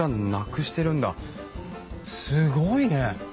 すごいね！